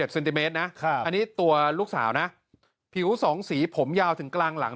เซนติเมตรนะอันนี้ตัวลูกสาวนะผิว๒สีผมยาวถึงกลางหลัง